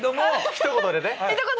ひと言で！